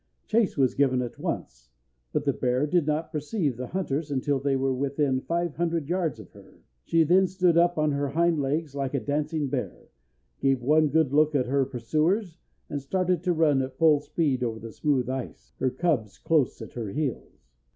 Chase was given at once, but the bear did not perceive the hunters until they were within five hundred yards of her. She then stood up on her hind legs like a dancing bear, gave one good look at her pursuers, and started to run at full speed over the smooth ice, her cubs close at her heels.